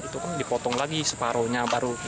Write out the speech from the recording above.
itu kan dipotong lagi separuhnya baru